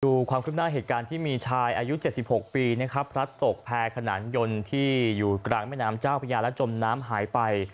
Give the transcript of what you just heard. ความคืบหน้าเหตุการณ์ที่มีชายอายุ๗๖ปีนะครับพลัดตกแพร่ขนานยนต์ที่อยู่กลางแม่น้ำเจ้าพญาและจมน้ำหายไป